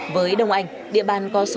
với đồng ảnh địa bàn có số